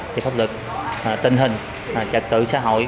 thì pháp luật tình hình trật tự xã hội